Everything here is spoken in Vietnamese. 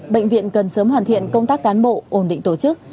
bệnh viện cần sớm hoàn thiện công tác cán bộ ổn định tổ chức